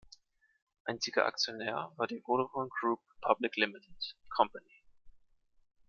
Einziger Aktionär war die Vodafone Group Plc.